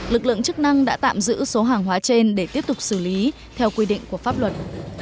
lực lượng chức năng đã tạm giữ số hàng hóa trên để tiếp tục xử lý theo quy định của pháp luật